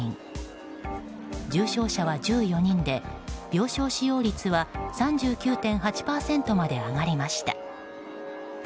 重症者は１４人で、病床使用率は３９．８％まで上がりました。